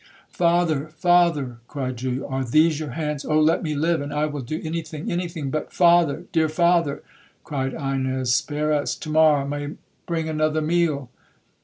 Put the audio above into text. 'Father!—father!' cried Julia, 'are these your hands? Oh let me live, and I will do any thing—any thing but'—'Father!—dear father!' cried Ines, 'spare us!—to morrow may bring another meal!'